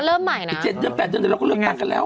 ๗เดือนเริ่มแปดถึงแต่เราก็ตั้งแล้ว